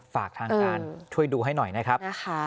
ฝากทางการช่วยดูให้หน่อยนะครับ